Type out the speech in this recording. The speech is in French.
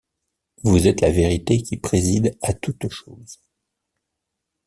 Vous êtes la vérité qui préside à toutes choses.